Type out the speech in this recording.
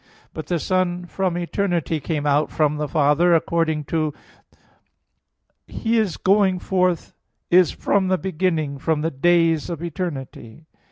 But the Son from eternity came out from the Father, according to Mic. 5:2: "His going forth is from the beginning, from the days of eternity."